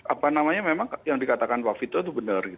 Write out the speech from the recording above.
apa namanya memang yang dikatakan pak vito itu benar